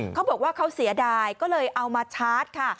เขาบอกว่าเขาเสียดายก็เลยเอามาชาร์จค่ะ